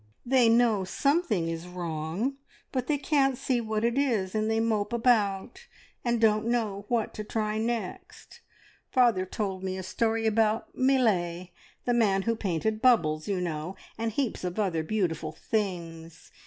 They know something is wrong, but they can't see what it is, and they mope about, and don't know what to try next. Father told me a story about Millais, the man who painted `Bubbles,' you know, and heaps of other beautiful things.